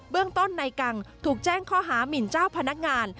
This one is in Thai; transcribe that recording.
เรื่องต้นนายกังถูกแจ้งข้อหามินเจ้าพนักงาน